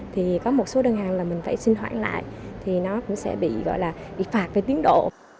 thì có một số đơn hàng là mình phải xin hoãn lại thì nó cũng sẽ bị gọi là bị phạt về tiến độ